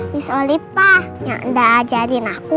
miss olive pak yang udah ajarin aku